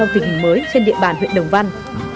tình hình mới trên địa bàn huyện đồng văn